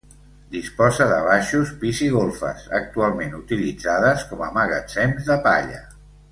Disposa de baixos, pis i golfes, actualment utilitzades com a magatzems de palla.